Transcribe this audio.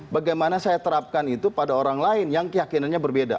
bagaimana saya terapkan itu pada orang lain yang keyakinannya berbeda